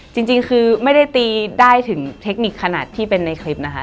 จริงคือไม่ได้ตีได้ถึงเทคนิคขนาดที่เป็นในคลิปนะคะ